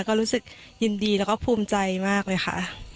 ก็รู้สึกยินดีแล้วก็ภูมิใจมากเลยค่ะ